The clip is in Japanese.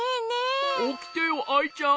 おきてよアイちゃん。